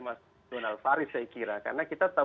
mas donald faris saya kira karena kita